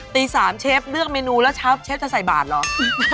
ตี๓เชฟเลือกเมนูแล้วเชฟจะใส่บาทเหรอ